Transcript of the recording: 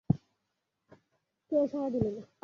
কেহ সাড়া দিল না।